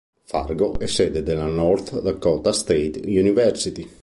Fargo è sede della North Dakota State University.